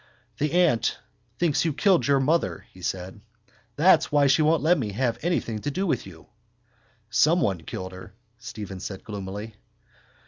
—The aunt thinks you killed your mother, he said. That's why she won't let me have anything to do with you. —Someone killed her, Stephen said gloomily.